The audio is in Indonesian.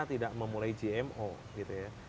tidak memulai gmo gitu ya